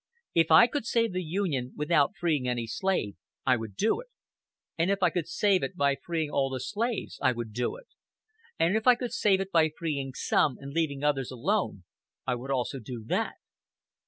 If I could save the Union without freeing any slave, I would do it; and if I could save it by freeing all the slaves I would do it; and if I could save it by freeing some and leaving others alone I would also do that.